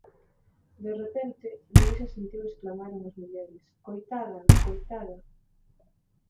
De repente, Luísa sentiu exclamar unhas mulleres: "Coitada! Coitada!".